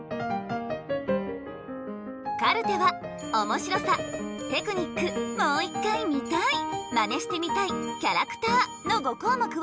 カルテは「おもしろさ」「テクニック」「もう１回見たい」「マネしてみたい」「キャラクター」の５項目を１０点満点で評価。